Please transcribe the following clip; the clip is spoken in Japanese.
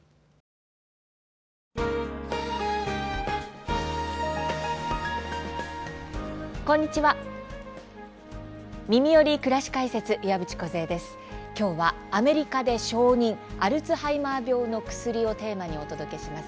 きょうは、アメリカで承認アルツハイマー病の薬をテーマにお届けします。